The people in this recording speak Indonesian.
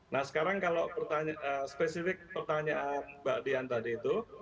nah sekarang kalau pertanyaan spesifik pertanyaan mbak dian tadi itu